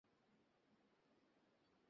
তোমার প্রাপ্য তুমি বুঝে নাও।